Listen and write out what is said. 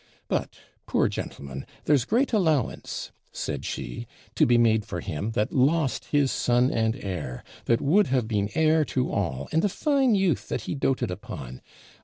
But, Poor gentleman, there's great allowance,' said she, 'to be made for him, that lost his son and heir that would have been heir to all, and a fine youth that he doted upon.